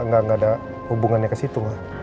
nggak ada hubungannya ke situ